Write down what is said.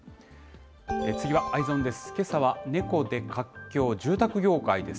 次はＥｙｅｓｏｎです。